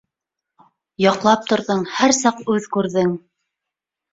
Яҡлап торҙоң, һәр саҡ үҙ күрҙең.